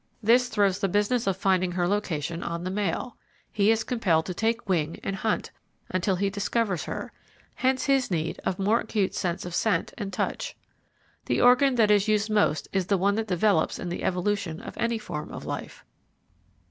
This throws the business of finding her location on the male. He is compelled to take wing and hunt until he discovers her; hence his need of more acute sense of scent and touch. The organ that is used most is the one that develops in the evolution of any form of life.